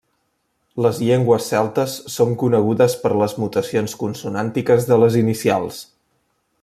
Les llengües celtes són conegudes per les mutacions consonàntiques de les inicials.